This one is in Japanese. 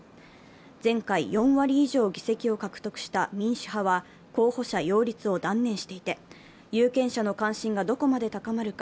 前回４割以上議席を獲得した民主派は候補者擁立を断念していて、有権者の関心がどこまで高まるか